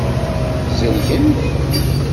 Szelgen-t.